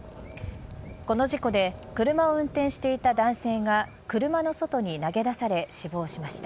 この事故で車を運転していた男性が車の外に投げ出され死亡しました。